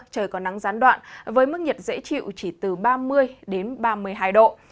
trời có nắng gián đoạn với mức nhiệt dễ chịu chỉ từ ba mươi đến ba mươi hai độ